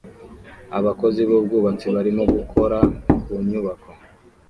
Abakozi b'ubwubatsi barimo gukora ku nyubako